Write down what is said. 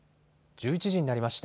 １１時になりました。